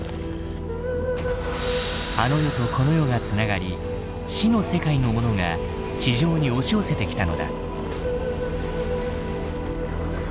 あの世とこの世が繋がり死の世界のものが地上に押し寄せてきたのだ。